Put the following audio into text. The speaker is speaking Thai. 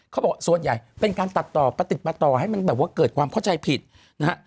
เขาบอกส่วนใหญ่เป็นการตัดต่อประติดประต่อให้มันแบบว่าเกิดความเข้าใจผิดนะฮะ